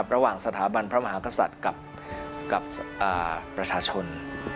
สถาบันพระมหากษัตริย์กับประชาชน